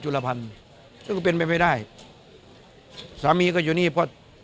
ละพันซึ่งก็เป็นไปไม่ได้สามีก็อยู่นี่เพราะ